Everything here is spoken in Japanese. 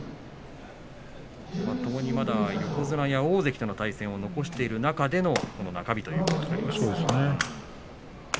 ともにまだ横綱や大関との対戦を残している中でのこの中日ということになりました。